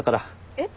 えっ？